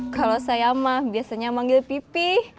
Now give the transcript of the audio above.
kalau saya mah biasanya yang manggil pipih